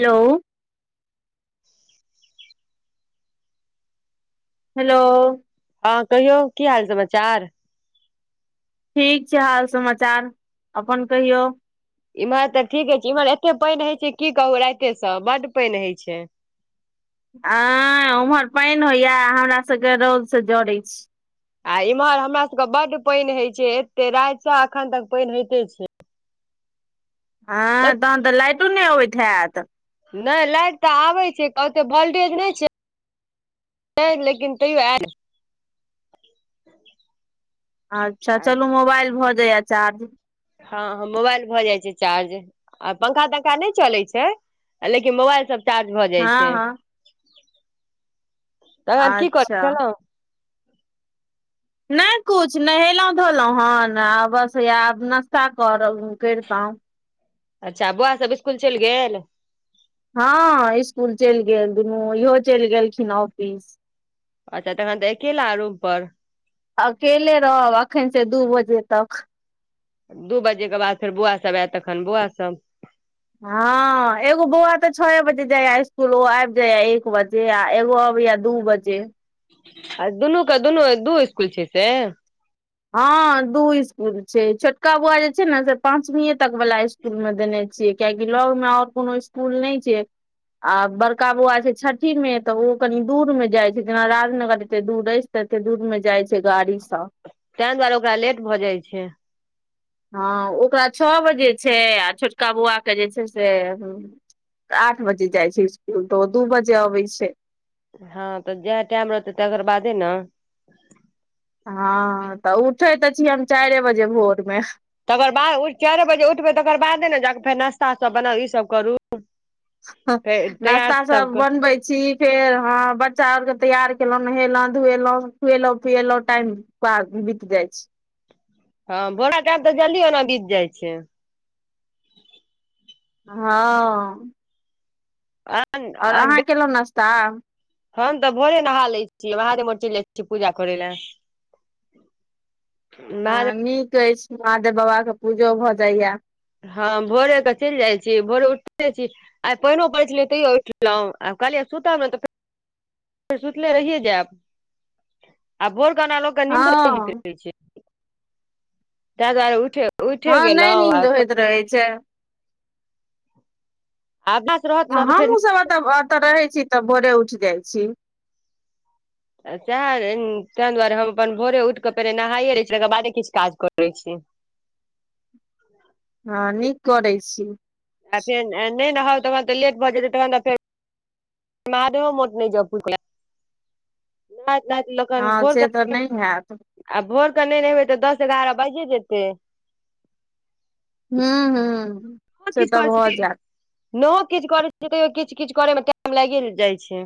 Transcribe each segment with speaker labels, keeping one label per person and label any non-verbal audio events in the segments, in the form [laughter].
Speaker 1: Hello hello
Speaker 2: हँ कहियौ की हाल समाचार
Speaker 1: ठीक छै हाल समाचार अपन कहियौ
Speaker 2: इम्हर तऽ ठीके छै इम्हर एते पानि हेय छै की कहू राइते से बड्ड पानि होय छै
Speaker 1: आ उम्हर पानि होइये हमरा सबके रौद से जड़ैत छी
Speaker 2: आ इम्हर हमरा सब के बड्ड पानि हय छै एते रातिसँ अखन तक पानि होेते छै
Speaker 1: हँ तहन तऽ लाइटो नय अबैत हेत
Speaker 2: नय लाइट तऽ आबै छै कते वोल्टेज नय छै छै लेकिन तैयो आएल
Speaker 1: अच्छा
Speaker 2: आयल
Speaker 1: चलु मोबाइल भऽ जाइए चार्ज
Speaker 2: हँ हँ मोबाइल भऽ जाइ छै चार्ज आ पंखा तंखा नय चलै छै लेकिन मोबाइल सब चार्ज भऽ जाइ
Speaker 1: हँ
Speaker 2: छै
Speaker 1: हँ
Speaker 2: तखन की
Speaker 1: अच्छा
Speaker 2: करैै छलहुँ
Speaker 1: नय कुछ नहेलौं धोलौं हन आ बस नास्ता कर करितौं
Speaker 2: अच्छा बौआ सब इसकुल चलि गेल
Speaker 1: हँ इसकुल चलि गेल दुनू इहो चलि गेलखिन ऑफिस
Speaker 2: अच्छा तखन तऽ अकेला रूम पर
Speaker 1: अकेले रहब अखैन से दू बजे तक
Speaker 2: दू बजे के बाद फेर बौआ सब आयत तखन बौआ सब
Speaker 1: हँ एगो बौआ तऽ छओ बजे जाया इसकुल ओ आबि जाइये एक बजे जे आ एगो अबैये दू बजे
Speaker 2: आ दुनू के दुनू दू इसकुल छै से
Speaker 1: हँ दू इसकूल छै छोटका बौआ जे छै ने से पांचवीए तक वाला स्कूल इसकुल मे देने छियै कियकि लग मे आओर कोनो इसकुल नय छै आ बड़का बौआ छै छठि मे तऽ ओ कनि दूर मे जाय छै जेना राजनगर एते दूर अछि तते दूर मे जाय छै गाड़ी सा
Speaker 2: तैं दुआरे ओकरा लेट भऽ जाइ छै
Speaker 1: हँ ओकरा छओ बजे छै आ छोटका बौआके जे छै से आठ बजे जाइ छै इसकुल तऽ ओ दू बजे अबै छै
Speaker 2: हँ तऽ जएह टाइम रहतै तकर बादे ने
Speaker 1: हँ तऽ उठे तऽ छी हम चारि बजे भोर मे
Speaker 2: तकर बाद उ चार बजे उठबै तकर बादे ने जाकऽ फेर नाास्ता सब बनाउ ई सब करू फेर तैयार
Speaker 1: नास्ता सब
Speaker 2: करू
Speaker 1: बनबै छी फेर हँ बच्चा आर के तैयार केलॅं नहेलौं धुएलौं खुएलौं पियएलौं टाइम पाग बीति जाइ छै
Speaker 2: हँ बोरा गाम तऽ जल्दी ओना बीत जाइ छै
Speaker 1: हँ
Speaker 2: आ [inaudible]
Speaker 1: ओर अहाँ केलौं नश्ता
Speaker 2: हम तऽ भोरे नहा लै छियै वहारेमे चलि जाय छियै पूजा करै लए
Speaker 1: हँ
Speaker 2: महादेव
Speaker 1: नीक अछि महादेव बाबाके पूजो भऽ जाइए
Speaker 2: हँ भोरे के चलि जाइ छी भोरे उठे छी आइ पहिनो पड़ै छलै तैयो उठलौं कहलियै सुतब ने सुतले रहिये जैब आ भोर के ओना लोकके नीन्दो नीक
Speaker 1: हँ
Speaker 2: रहै छै तैं दुआरे उइठे उइठे
Speaker 1: हँ नय नींद
Speaker 2: गेलौं
Speaker 1: होइत रहै छै
Speaker 2: आब
Speaker 1: हमहूँ सब एतऽ एतऽ रहै छी तऽ भोरे उठ जाइ छी
Speaker 2: सह ताहि दुआरे हम अपन भोरे उठि कऽ पहिने नहाइए लै छी तकर बादे किछु काज करैत छी
Speaker 1: हँ नीक करै छी
Speaker 2: आ फेर नहि हउ तह तऽ लेट भज जेतै तऽ फ माहादेवो मठ नहि जॉ पूजा करलय [unintelligible] आ
Speaker 1: हँ
Speaker 2: भोरकेऽ
Speaker 1: से तऽ नय हैत
Speaker 2: नहि रहबै तऽ दस एगारह बाजि जेतै
Speaker 1: हू हू
Speaker 2: बहुत किछु करै छथि नहो किछु करैत छै तैयो किछु किछु करे मे टाइम लागि जाइ छै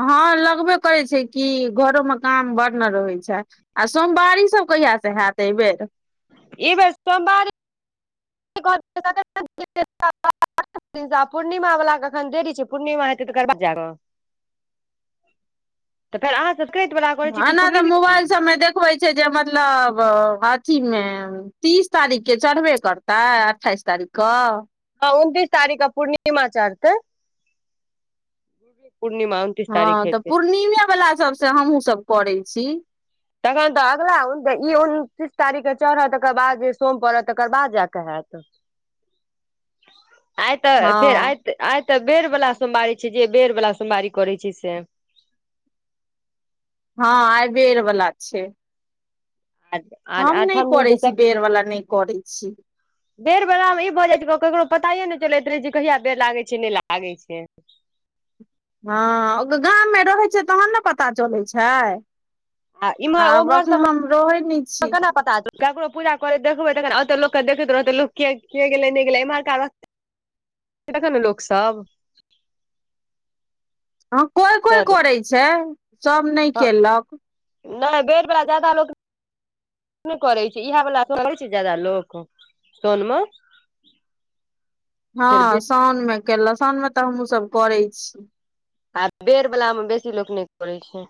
Speaker 1: हँ लगबे करै छै कि घरो मऽ काम बड़ ने रहै छै आ सोमवारी सब कहिया सँ हयत एहिबेर
Speaker 2: ई बे सोमवारी [unintelligible] पूर्णिमा वला तऽ एखन देरी छै पूर्णिमा हेतै तकर बाद जाय कऽ तऽ फेर अहाँ सब चैथ वला करैत छी कि पूर्णिमा
Speaker 1: होइ छै जे मतलब अथी मे तीस तारीख के चढ़बे करताै अठाइस तारीख कऽ
Speaker 2: हँ उनतीस तारीखके पूर्णिमा चढ़तै पूर्णिमा तारीख
Speaker 1: हँ तऽ
Speaker 2: हेतै
Speaker 1: पूर्णिमे वला सबसँ हमहुँ सब करै छी
Speaker 2: तखन तऽ अगिला ई उनतीस तारीख के चढ़त तकर बाद जे सोम पड़त तकर बाद जााकऽ हयैतत [inaudible]
Speaker 1: [inaudible]
Speaker 2: आइ तऽ
Speaker 1: हँ
Speaker 2: फेर आइ आइ तऽ बेर वाला सोमवारी छै जे बेर वाला सोमवारी करैत छै से
Speaker 1: हँ आइ बेर वला छै
Speaker 2: [unintelligible]
Speaker 1: हम नहि
Speaker 2: आठम
Speaker 1: करै
Speaker 2: दिन से
Speaker 1: छी बेर वला नहि करै छी
Speaker 2: बेर वला मे ई भऽ जाइत केकरो पताये ने चलैत रहे जे कहिया बेर लागै छै नहि लागे छै
Speaker 1: हँ ओ गाममे रहै छै तहन नऽ पता चलैत छै
Speaker 2: आ इम्हर
Speaker 1: आब
Speaker 2: ओम्हर
Speaker 1: अखन
Speaker 2: सब
Speaker 1: हम रहै नहि छी
Speaker 2: केना पता ककरो पूजा कर देखबै तखन ओते लोकके देखैतत लोक के गेलै नहि गेलै एमहरका लोक सब
Speaker 1: हँ कोइ कोइ
Speaker 2: तैं
Speaker 1: करै छै सब नहि
Speaker 2: हँ
Speaker 1: केलक
Speaker 2: नहि बेर बला जादा लोक नहि करै छै इहा बला करे छै जादा लोक सोनमे
Speaker 1: हँ साउओनमे केलक साउनमे तऽ हमहूँ सब करै छी
Speaker 2: आ बेर वला मऽ बेसी लोक नहि करै छै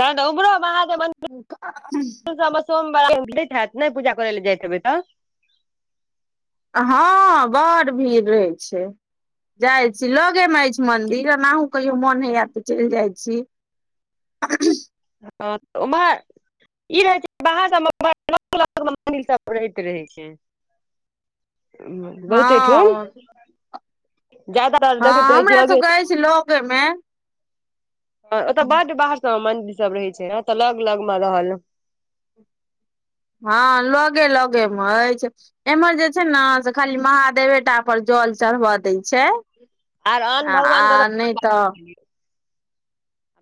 Speaker 2: ते नऽ ओहमरो मंदिर सब मऽ सोमवारी में भिड़ हेयत नहि पूजा करै ल जाइतबै तऽ
Speaker 1: हँं बड़ भीड़ रहे छै जाय छी लगे मे अछी मंन्दिर आनाहु कहियो मोन होयऽ तऽ चलि जाइ छी
Speaker 2: हँ तऽ ओम्हर ई रहे छै बाहर सबमे मऽ सब रहैत रहै छै
Speaker 1: हँ
Speaker 2: बहुते ठुम ज्यादातर
Speaker 1: हँ
Speaker 2: देखैत रहै छियै
Speaker 1: हमरा
Speaker 2: लगे
Speaker 1: सबके अछि लगे मे
Speaker 2: ओतय बड्ड बाहर सब मे मंदिर सब रहे छै ने ओतऽ लग लग मे रहल
Speaker 1: हँ लगे लगे मे अछि एम्हर जे छै ने से खाली महादेवे टा पर जल चढ़बऽ दै छै
Speaker 2: आर आन
Speaker 1: आ
Speaker 2: भगवान के
Speaker 1: नय तऽ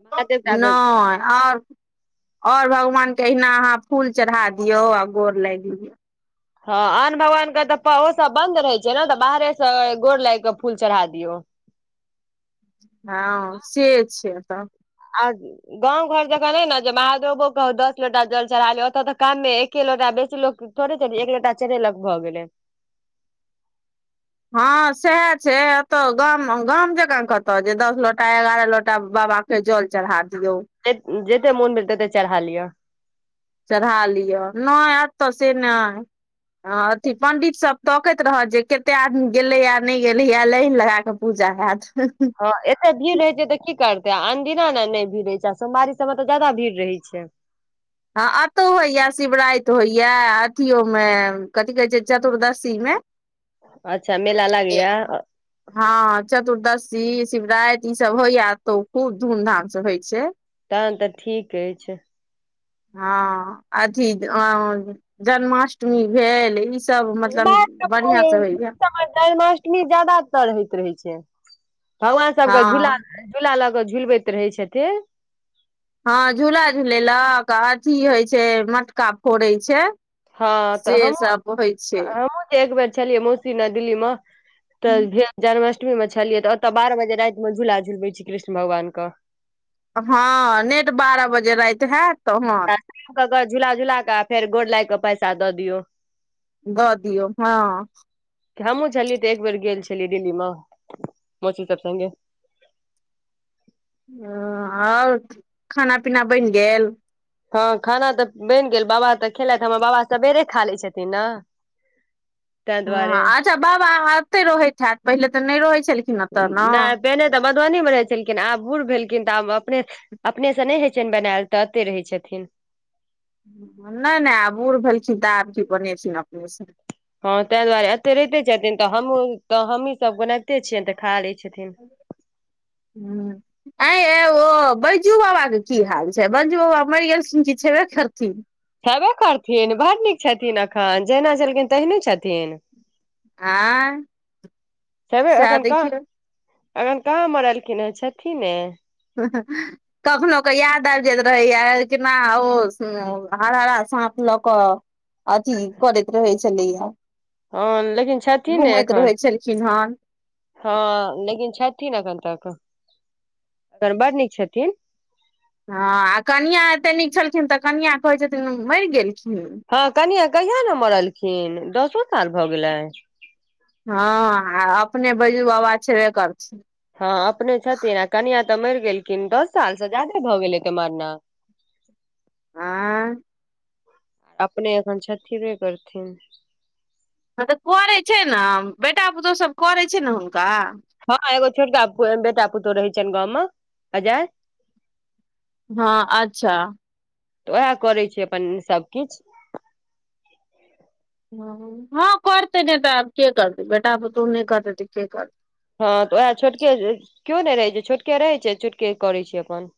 Speaker 2: महादेव टा के
Speaker 1: नय आओर आओर भगवान के अहिना अहाँ फूल चढ़ा दियौ आ गोर लाग लियौ
Speaker 2: हँ आन भगवान के तऽ ओ सब बंन्द रहे छै ने तऽ बाहरे से गोर लागि क फूल चढ़ा दियौ
Speaker 1: हँ से छै तऽ
Speaker 2: आ [inaudible] गाँंव घर जेकाँ नय न जे महादेवो के दस लोटा जल चढ़ा ले ओतऽ तऽ कामे एके लोटा बेसि लोक थोड़े थोड़े एक लोटा चारेेलग भऽ गेलै
Speaker 1: हँ सएह छै एतऽ गाम गाम जकाँ कतऽ जे दस लोटा एगारह लोटा बाबा। जल चरहा दीयौ।
Speaker 2: जेते मोन भेल तते चढ़ा लिअ।
Speaker 1: चढ़ा लिअ नय अतऽ से नय हँ अथी पंडित सब तकैत रहत जे कतेक आदमी गेलैए नय गेलैये लाइन लगा क। पूजा हैत।
Speaker 2: हँ एते भीड़ रहै छै तऽ की करतै आ अन दिना ने नय भीड़ रहै छै आ सोमवारी सबमे तऽ जादा भीड़ रहै छै।
Speaker 1: हँ अतौ होइये शिवराति होइये अथियो मे कथि कहै छै चतुर्दशी मे। [inaudible]
Speaker 2: अच्छा मेला लागैये
Speaker 1: हँ चतुर्दशी शिवराति ई सब होइया अतउ खूब धूम धाम से होइ छै।
Speaker 2: तहन तऽ ठीक अछि।
Speaker 1: हँ अथी जन्माष्टमी भेल ई। तब मतलब बढ़ियाँ से होइए।
Speaker 2: जन्माष्टमी जादातर होइत रहै छै भगवान सबके झूला।
Speaker 1: हँ
Speaker 2: झूला लऽ कऽ झुलबैत रहै छथिन।
Speaker 1: हँ झूला झूलेलक अथि होइ छै मटका फोड़ै छै।
Speaker 2: हँ तऽ
Speaker 1: से
Speaker 2: हमहूँ
Speaker 1: सब होइ छै।
Speaker 2: हमहूँ एक बेर छलिये मौसी लग दिल्लीम। तऽ जन्माष्टमी मे छलियै तऽ ओतऽ बारह बजे राति मे झूला झुलबै छी कृष्ण भगवान कऽ
Speaker 1: हँ नेट बारह बजे राति हैत तहन।
Speaker 2: कऽ कऽ झूला झुला कऽ फेर गोर लागि कऽ पैसा दऽ दियौ।
Speaker 1: दऽ दियौ हँ।
Speaker 2: हमहुँ छलियै तऽ एक बेर गेल छलिय दिल्ली मऽ मौसी सब संगे।
Speaker 1: ओ आओर खाना पीना बनि गेल।
Speaker 2: हँ खाना तऽ बनि गेल बाबा तऽ खेलथि हमर बाबा सबेरे खा लै छथिन न।
Speaker 1: हँ अच्छा बाबा एतै रहैत हैत पहिले तऽ नय रहै छेलखिन
Speaker 2: नय पहिने तऽ मधुबनी मे रहै छेलखिन आब बूढ़ भेलखिन तऽ आब अपने। अपने से नय होइ छनि बनेल तऽ अतै रहै छथिन।
Speaker 1: नय नय आब बूढ़ भेलखिन तऽ आबकी बनेथिन अपने से।
Speaker 2: हँ तैं दुआरे एतै रहिते छथिन तऽ हमहूँ तऽ हमहीं सब बनैबते छियनि तऽ खा लै छथिन।
Speaker 1: हूँ। आंय यै ओ बैजू बाबा के की हाल छै बैजू बाबा मरि गेलथिन की छेबे करथिन।
Speaker 2: छेबे करथिन बड़ नीक छथिन अखन जहिना छलखिन तेहने छथिन
Speaker 1: आँय
Speaker 2: छैबे
Speaker 1: सएह
Speaker 2: एखन कहाँ
Speaker 1: देखियौ
Speaker 2: अखन कहाँ मरलखिन हन छथिने
Speaker 1: [unintelligible] कखनो कऽ याद आबि जाइत रहैय केना ओ हरहरा साँप लऽ कऽ अथी करैत रहै छेलै या
Speaker 2: हँ लेकिन छथिने
Speaker 1: घुमैत
Speaker 2: एखन
Speaker 1: रहै छलखिन हन
Speaker 2: हँ लेकिन छथिन अखन तक अखन बड नीक छथिन
Speaker 1: हँ आ कनिआ एते नीक छलखिन तऽ कनिआ कहै छथिन मरि गेलखिन
Speaker 2: हँ कनिआ कहिया नम मरलखिन दसो साल भऽ गेलै
Speaker 1: हँ आ अपने बैजू बाबा छेबे करथिन
Speaker 2: हँ अपने छथिन आ कनिया तऽ मैर गेलखिन दस साल से जादे भऽ गेल हेते मरना
Speaker 1: आँ
Speaker 2: अपने एखन छतिबे करथिन
Speaker 1: हँ तऽ करै छै नय बेटा पुतौह सब करै छै नय हुनका
Speaker 2: हँ एगो छोटका बेटा पुतहू रहै छैन गाँव मऽ अजय
Speaker 1: हँ अच्छऽ
Speaker 2: तऽ ओहै करै छै अपन सभकिछ
Speaker 1: हँ हँ करतै नय तऽ आब केँ करतै बेटा पुतौह नय करतै तऽ केँ करतै
Speaker 2: हँ तऽ ओहै छोटकेँ किओ नय रहै छै छोटकेँ रहै छै छोटकेँ करै छै अपन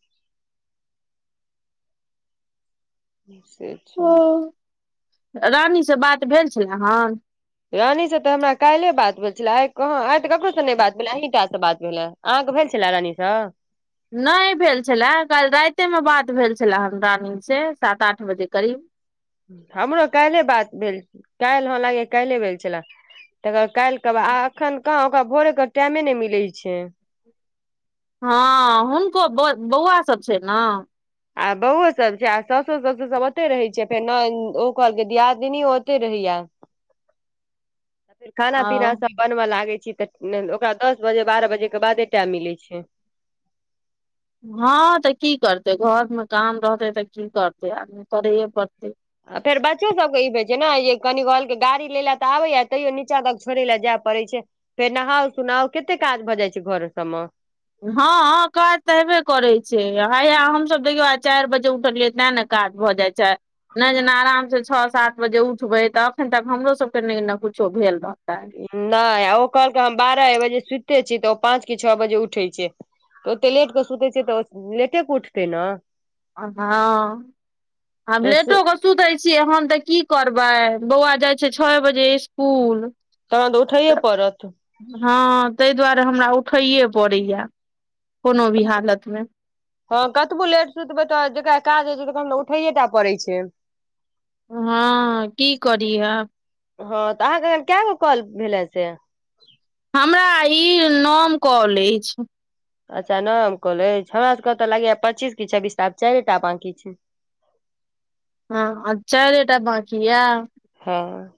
Speaker 1: [inaudible]
Speaker 2: हुँ से छै
Speaker 1: हँ रानीसँ बात भेल छलै हन
Speaker 2: रानी सऽ तऽ हमरा काइले बात भेल छले आइ कहाँ आइ तऽ ककरो सऽ नय बात भेले अहाँ टा सँ बात भेलैे अहाँकेँ भेल छलै रानीसँ
Speaker 1: नय भेल छेला काइल राइते मऽ बात भेल छेला हमरा सेँ सात आठ बजे करीब
Speaker 2: हमरो काइल बात भेल काइल ह लागै यऽ काइले भेल छलै तकर बाद काइल तब आ एखैन कहाँ ओकरा भोरे कऽ टाइमे नय मिलै छै
Speaker 1: हँ हुनको बऽ बौआ सब छै नऽ
Speaker 2: आ बौओ सब छै आ सौसो - ससुर सब ओते रहै छै फेर नऽ ओ कहलकै दियादिनी ओ ते रहैय
Speaker 1: [inaudible]
Speaker 2: आ फेर खाना
Speaker 1: आ
Speaker 2: पीना सब बनबऽ लागे छी तऽ ओकरा दस बजे बारह बजे कऽ बादे टाइम मिले छै
Speaker 1: हँ तऽ की करतै घरमे काम रहतै तऽ की करतै आदमी करैए पड़तै
Speaker 2: आ फेर बच्चो सबके ई होइ छै नऽ जे कनी कहलक गाड़ी लै लऽ तऽ आबै यऽ तैयो नीचा तक छोड़ै लऽ जाय पड़ै छै फेर नहाउ सुनाउ केत्ते काज भऽ जाइ छै घर सब मऽ
Speaker 1: हँ काज तऽ हेबे करैत छै हेयै हमसभ देखियौ आ चाइर बजे उठलियै तैँ नऽ काज भऽ जाइ छै नय जेना आराम सँ छ सात बजे उठबै तऽ अखैन तक हमरो सबके नय नऽ कुछो भेल रहतै
Speaker 2: नय ओ कहलकै हम बारह अर बजे सुत्ते छी तऽ ओ पाँच कऽ छओ बजे उठै छै तऽ ओते लेट कऽ सुतै छै तऽ लेटे कऽ उठतै नऽ
Speaker 1: अ हँ हम
Speaker 2: तऽ से
Speaker 1: लेटो कऽ सुतै छियै हम तऽ की करबै बौआ जाय छै छए बजे इस कूल
Speaker 2: तहन उठैये
Speaker 1: तऽ
Speaker 2: पड़त
Speaker 1: हँ तै दुआरे हमरा उठैए पड़ैये कोनो भी हालतमे
Speaker 2: हँ कतबो लेट सुतबै तऽ जेकरा काज होइ छै तखन तऽ उठैेये टा पड़ै छै
Speaker 1: हँ की करी आब
Speaker 2: हँ तऽ अहाँके अखन कैगो कॉल भेले से
Speaker 1: हमरा ई नौम कॉल अछि
Speaker 2: अच्छा नौम कॉल अछि हमरा सबके तऽ लागैये पच्चीस की छब्बीस टा आब चाइरेटा बांकी छै
Speaker 1: हँ आ चाइरेटा बाँकि ये
Speaker 2: हँ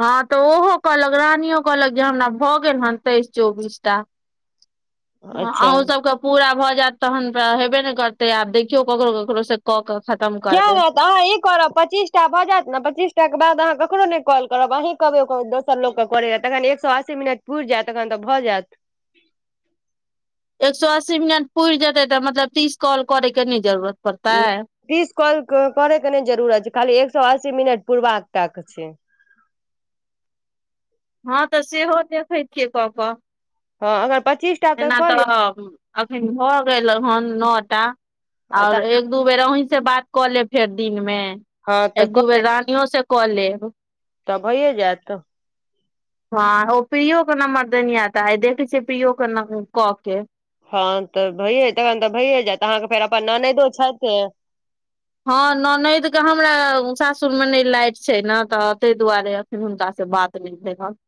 Speaker 1: हँ तऽ ओहो कहलक रानियो कहलक जँ हमरा भऽ गेल हन तैइस चौबीस टा हँ
Speaker 2: अच्छा
Speaker 1: अहूँ सभके पूरा भऽ जाएत तहन तऽ हेबे नय करतै आब देखियौ ककरो ककरोसँ कऽ कऽ खतम करबै
Speaker 2: तऽ अहाँ ई करब पच्चीसटा भऽ जायत न पच्चीसटा कऽ बाद अहाँ ककरो नर कॉल करब अहीँ कहबै लोक कऽ करैय तखन एकसो अस्सी मिनट पुइर जायत तखन तऽ भऽ जायत
Speaker 1: एक सो अस्सी मिनट पुइर जेतै तऽ मतलब तीस कॉल करे कऽ नय जरूरत पड़तै
Speaker 2: तीस कॉल करै कऽ नय जरूरत छै खाली एकसो अस्सी मिनट पुरबाक टाक छै
Speaker 1: हँ तऽ सेहो देखैत छियै कऽ कऽ
Speaker 2: हँ अगर पचीस
Speaker 1: एना तऽ अखन भऽ गेलौ हन नौ टा आओर एक दू बेर अहीं से बात कऽ लेब फेर दिनमे
Speaker 2: हँ तऽ
Speaker 1: एक
Speaker 2: कऽ
Speaker 1: दू बेर
Speaker 2: लेब
Speaker 1: रानियो से कऽ लेब
Speaker 2: तऽ भइए जायत
Speaker 1: हँ ओ पियो कऽ नंबर देनिये तऽ आय देखै छियै पियो कऽ नाम कऽ कऽ
Speaker 2: हँ तऽ भैये तखन तऽ भैयए जायत अहाँके फेर अपन ननैदो छथि
Speaker 1: हँ ननैद के हमरा सासुर मे नय लाइट छै नय तऽ तैय दुआरे हुनका से बात नै भेल हन